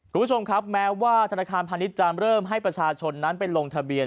คุณผู้ชมครับแม้ว่าธนาคารพาณิชย์จะเริ่มให้ประชาชนนั้นไปลงทะเบียน